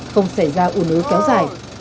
không xảy ra u nứ kéo dài